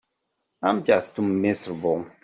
I'm just too miserable.